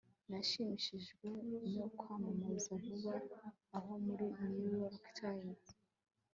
nashimishijwe nokwamamaza vuba aha muri new york times